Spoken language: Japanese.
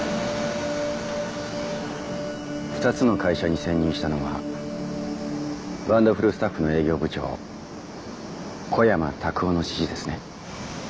２つの会社に潜入したのはワンダフルスタッフの営業部長小山卓夫の指示ですね？